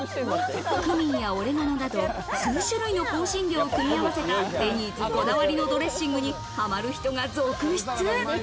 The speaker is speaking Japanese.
クミンやオレガノなど数種類の香辛料を組み合わせたデニーズこだわりのドレッシングにハマる人が続出。